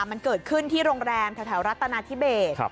มันเกิดขึ้นที่โรงแรมแถวรัฐนาธิเบส